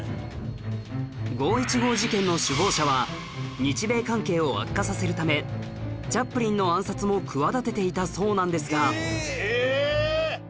五・一五事件の首謀者は日米関係を悪化させるためチャップリンの暗殺も企てていたそうなんですが